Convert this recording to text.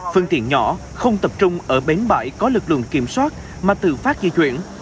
phương tiện nhỏ không tập trung ở bến bãi có lực lượng kiểm soát mà tự phát di chuyển